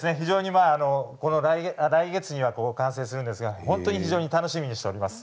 来月には完成するんですが本当に楽しみにしています。